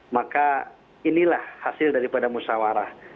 maka inilah hasil daripada musawarah